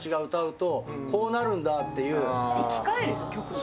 生き返る曲が。